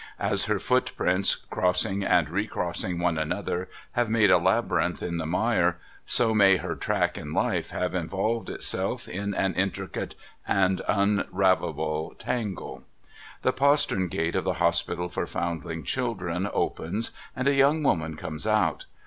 As her footprints crossing and recrossing one another have made a labyrinth 472 No THOROUGHFARE in the mire, so may her track in Hfc have involved itself in an intricate and unravellable tangle. The postern gate of the Hospital for Foundling Children opens, and a young woman comes out.